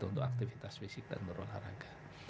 untuk aktivitas fisik dan berolahraga